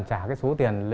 trả cái số tiền